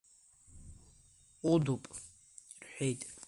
Ҟәыдуп, – рҳәеит.